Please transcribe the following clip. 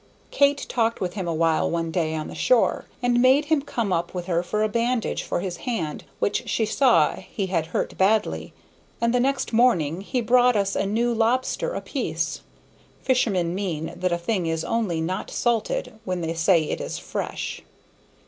Kate talked with him awhile one day on the shore, and made him come up with her for a bandage for his hand which she saw he had hurt badly; and the next morning he brought us a "new" lobster apiece, fishermen mean that a thing is only not salted when they say it is "fresh."